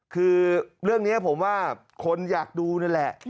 คือเรื่องนี้ผมว่าคนอยากดูนั่นแหละ